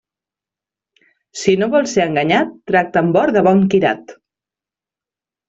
Si no vols ser enganyat, tracta amb or de bon quirat.